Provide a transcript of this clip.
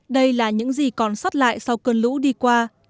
đây là những gì còn sót lại sau cơn lũ đi qua